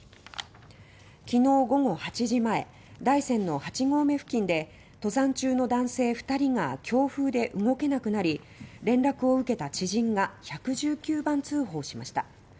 きのう午後８時前大山の８合目付近で登山中の男性２人が強風で動けなくなり連絡を受けた知人が１１９番通報しました。